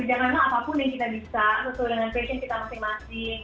jadi kalau menurut aku kita kerjakanlah apapun yang kita bisa sesuai dengan passion kita masing masing